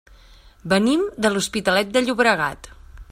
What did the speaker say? Venim de l'Hospitalet de Llobregat.